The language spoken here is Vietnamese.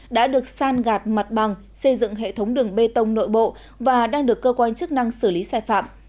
đã được san gạt mặt bằng xây dựng hệ thống đường bê tông nội bộ và đang được cơ quan chức năng xử lý sai phạm